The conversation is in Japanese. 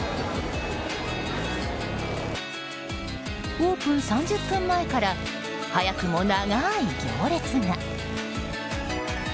オープン３０分前から早くも長い行列が。